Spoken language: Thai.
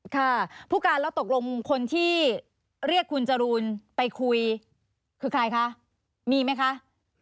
ค่ะผู้การแล้วตกลงคนที่เรียกคุณจรูนไปคุยคือใครคะมีไหมคะ